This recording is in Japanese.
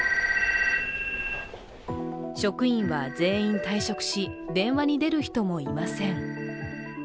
職員は全員退職し、電話に出る人もいません。